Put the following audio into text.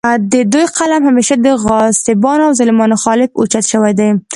د دوي قلم همېشه د غاصبانو او ظالمانو خالف اوچت شوے دے